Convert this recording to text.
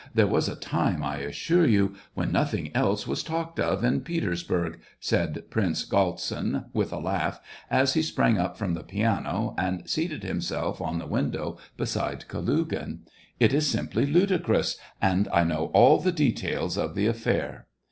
There was a time, I assure you, when nothing else was talked of in Petersburg," said Prince Galtsin, with a laugh, as he sprang up from the piano, and seated himself on the window beside Kalugin. " It is simply ludicrous, and I know all the details of the affair."